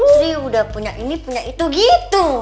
si udah punya ini punya itu gitu